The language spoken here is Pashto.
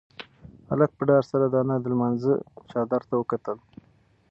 هلک په ډار سره د انا د لمانځه چادر ته وکتل.